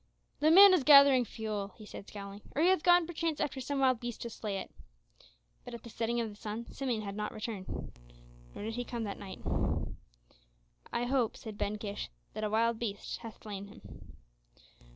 "The man is gathering fuel," he said scowling, "or he hath gone perchance after some wild beast to slay it." But at the setting of the sun Simeon had not returned. Nor did he come that night. "I hope," said Ben Kish, "that a wild beast hath slain him."